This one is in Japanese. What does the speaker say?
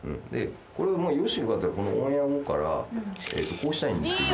これをもしよかったらこのオンエア後からこうしたいんですけど。